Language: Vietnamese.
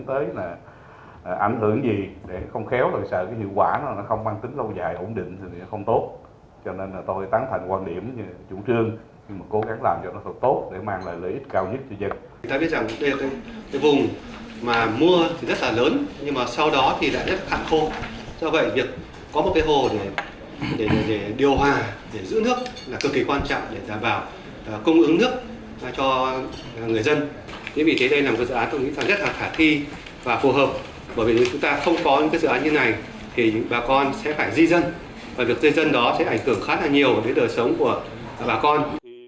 tuy nhiên vì thế đây là một dự án tôi nghĩ rất là thả thi và phù hợp bởi vì nếu chúng ta không có những dự án như này thì bà con sẽ phải di dân và việc di dân đó sẽ ảnh tưởng khá là nhiều đến đời sống của bà con